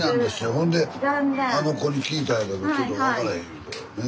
ほんであの子に聞いたんやけどちょっと分からへん言うてね。